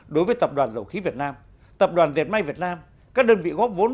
đối với tập đoàn dầu khí việt nam tập đoàn diệt may việt nam các đơn vị góp vốn